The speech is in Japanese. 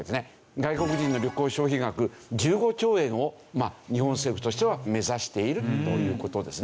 外国人の旅行消費額１５兆円を日本政府としては目指しているという事ですね。